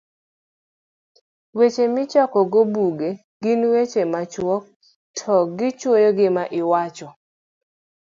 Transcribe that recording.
Weche Michakogo Buge gin weche machuok to gichuoyo gima iwacho